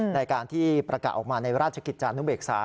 ในการที่ประกาศออกมาในราชกิจจานุเบกษา